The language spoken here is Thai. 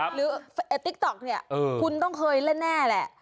ติ๊กต๊อกเนี่ยคุณต้องเคยเล่นแน่แหละ